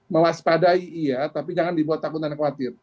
mewaspadai iya tapi jangan dibuat takut dan khawatir